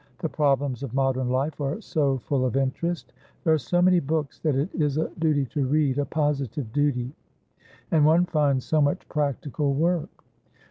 The problems of modern life are so full of interest. There are so many books that it is a duty to read, a positive duty. And one finds so much practical work."